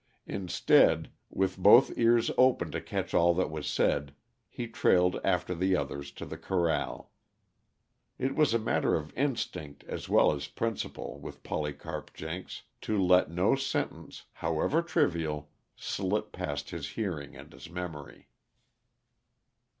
Instead, with both ears open to catch all that was said, he trailed after the others to the corral. It was a matter of instinct, as well as principle, with Polycarp Jenks, to let no sentence, however trivial, slip past his hearing and his memory.